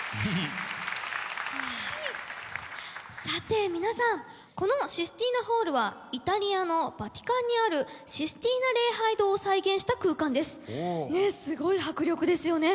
さて皆さんこのシスティーナ・ホールはイタリアのヴァティカンにあるシスティーナ礼拝堂を再現した空間です。